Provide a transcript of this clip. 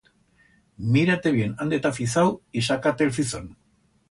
Mira-te bien ánde t'ha fizau y saca-te el fizón.